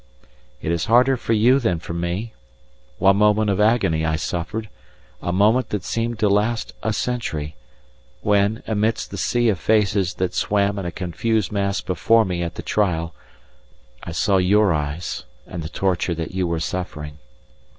It is harder for you than for me; one moment of agony I suffered, a moment that seemed to last a century, when, amidst the sea of faces that swam in a confused mass before me at the trial, I saw your eyes and the torture that you were suffering.